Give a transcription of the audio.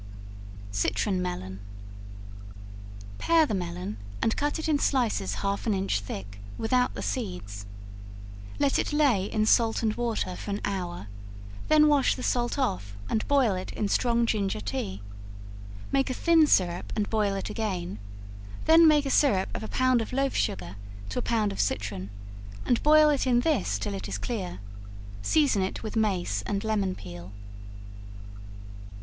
Citron Melon. Pare the melon and cut it in slices half an inch thick, without the seeds; let it lay in salt and water for an hour, then wash the salt off, and boil it in strong ginger tea; make a thin syrup and boil it again, then make a syrup of a pound of loaf sugar to a pound of citron, and boil it in this till it is clear; season it with mace and lemon peel.